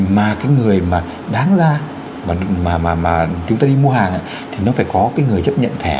mà cái người mà đáng ra mà chúng ta đi mua hàng thì nó phải có cái người chấp nhận thẻ